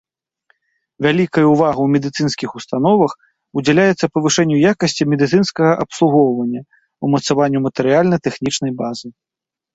Вялікая ўвага ў медыцынскіх установах удзяляецца павышэнню якасці медыцынскага абслугоўвання, умацаванню матэрыяльна-тэхнічнай базы.